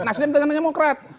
nasib dengan demokrat